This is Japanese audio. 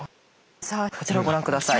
さあこちらをご覧下さい。